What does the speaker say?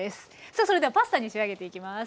さあそれではパスタに仕上げていきます。